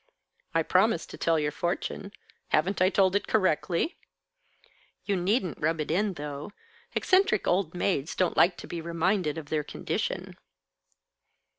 "I promised to tell your fortune. Haven't I told it correctly?" "You needn't rub it in, though. Eccentric old maids don't like to be reminded of their condition."